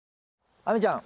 亜美ちゃん